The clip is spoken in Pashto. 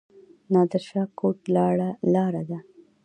نادر شاه کوټ لاره ده؟